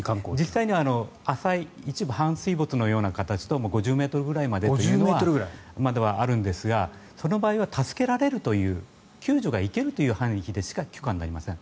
実際、浅い一部、半水没のような形で５０ｍくらいまでというのはあるんですがその場合は助けられるという救助が行けるという範囲でしか許可が出ません。